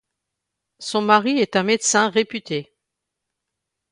Son mari est un médecin réputé.